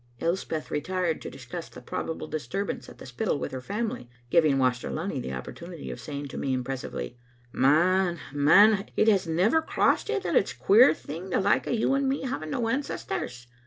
Elspeth retired to discuss the probable disturbance at the Spittal with her family, giving Waster Lunny the opportunity of saying to me impressively —" Man, man, has it never crossed you that it's a queer thing the like o' you and me having no ancestors?